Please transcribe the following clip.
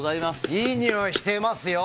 いいにおいしてますよ。